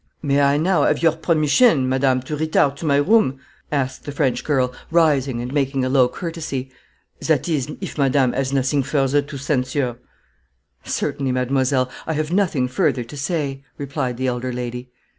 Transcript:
"May I now have your permission, madame, to retire to my room?" asked the French girl, rising, and making a low courtesy "that is, if madame has nothing further to censure." "Certainly, mademoiselle; I have nothing further to say," replied the elder lady.